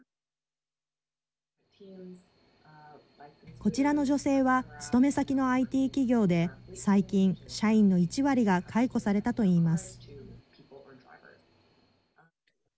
こちらの女性は勤め先のＩＴ企業で最近、社員の１割が解雇されたといいます。